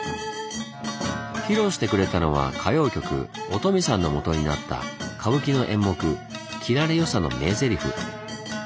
披露してくれたのは歌謡曲「お富さん」のもとになった歌舞伎の演目「切られ与三」の名ゼリフ。